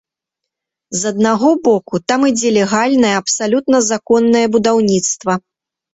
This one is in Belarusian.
З аднаго боку, там ідзе легальнае, абсалютна законнае будаўніцтва.